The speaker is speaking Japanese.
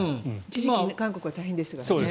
一時期韓国は大変でしたからね。